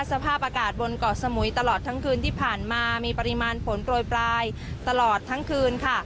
สภาพอากาศบนเกาะสมุยตลอดทั้งคืนที่ผ่านมามีปริมาณฝนโปรยปลายตลอดทั้งคืนค่ะ